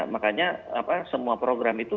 makanya semua program itu